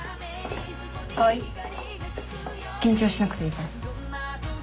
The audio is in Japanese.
川合緊張しなくていいから。